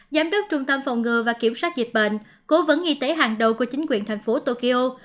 giám đốc trung tâm phòng ngừa và kiểm soát dịch bệnh cố vấn y tế hàng đầu của chính quyền thành phố tokyo